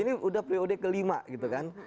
ini udah periode kelima gitu kan